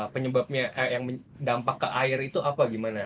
penyebabnya yang dampak ke air itu apa gimana